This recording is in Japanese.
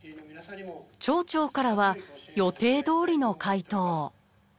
町長からは予定どおりの回答。